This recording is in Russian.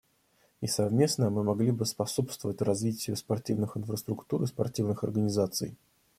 И совместно мы могли бы способствовать развитию спортивных инфраструктур и спортивных организаций.